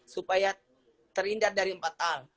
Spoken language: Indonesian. supaya terhindar dari empat hal